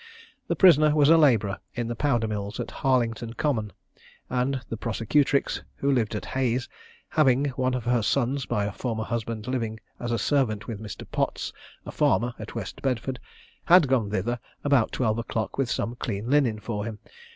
The prisoner was a labourer in the powder mills at Harlington Common; and the prosecutrix, who lived at Hayes, having one of her sons by a former husband living as servant with Mr. Potts, a farmer, at West Bedford, had gone thither about twelve o'clock with some clean linen for him.